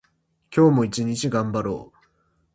今日も一日頑張ろう。